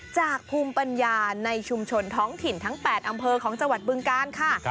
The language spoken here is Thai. ภูมิปัญญาในชุมชนท้องถิ่นทั้ง๘อำเภอของจังหวัดบึงกาลค่ะ